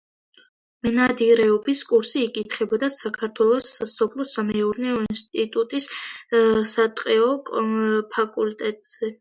მენადირეობის კურსი იკითხებოდა საქართველოს სასოფლო-სამეურნეო ინსტიტუტის სატყეო ფაკულტეტზე.